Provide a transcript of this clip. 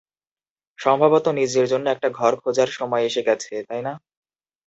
সম্ভবত নিজের জন্য একটা ঘর খোঁজার সময় এসে গেছে, তাই না?